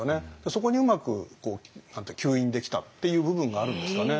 そこにうまく吸引できたっていう部分があるんですかね。